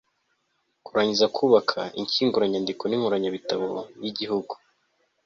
kurangiza kubaka inshyinguranyandiko n'inkoranyabitabo y'igihugu